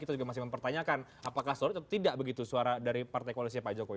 kita juga masih mempertanyakan apakah tidak begitu suara dari partai koalisi pak jokowi